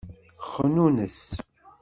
Xnunes.